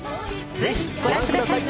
ぜひご覧ください。